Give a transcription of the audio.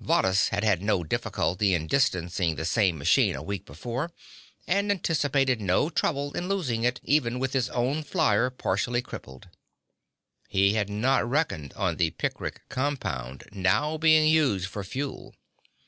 Varrhus had had no difficulty in distancing the same machine a week before, and anticipated no trouble in losing it, even with his own flyer partially crippled. He had not reckoned on the picric compound now being used for fuel.